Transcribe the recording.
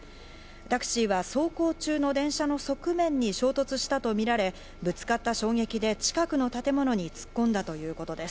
タクシーは走行中の電車の側面に衝突したとみられ、ぶつかった衝撃で近くの建物に突っ込んだということです。